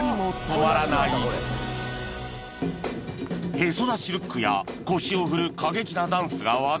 へそ出しルックや腰を振る過激なダンスが話題に